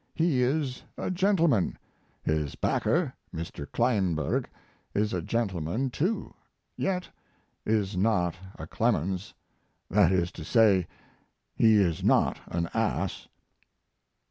He is a gentleman; his backer, Mr. Kleinburg, is a gentleman, too, yet is not a Clemens that is to say, he is not an ass.